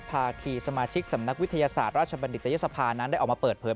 ภาคีสมาชิกสำนักวิทยาศาสตร์ราชบัณฑิตยศภานั้นได้ออกมาเปิดเผย